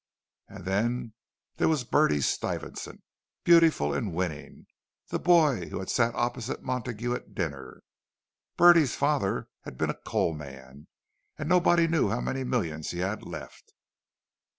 And then there was Bertie Stuyvesant, beautiful and winning—the boy who had sat opposite Montague at dinner. Bertie's father had been a coal man, and nobody knew how many millions he had left.